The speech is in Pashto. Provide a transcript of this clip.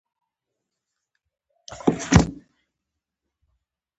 څوک غواړي چې خپل خوب حقیقت کړي